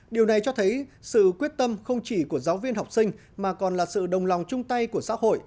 điều này cho thấy sự quyết tâm không chỉ của giáo viên học sinh mà còn là sự đồng lòng chung tay của xã hội